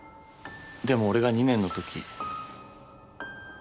でも俺が２年の時。